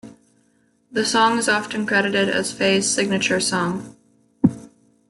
The song is often credited as Faye's signature song.